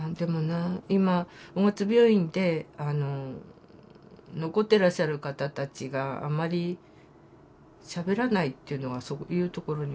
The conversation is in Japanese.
今雄勝病院ってあの残ってらっしゃる方たちがあまりしゃべらないっていうのはそういうところにもあるのかな。